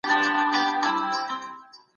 ستا هیلې به کله پوره سي؟